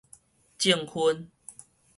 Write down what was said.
證婚